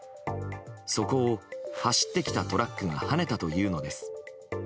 そこを走ってきたトラックがはねたというのです。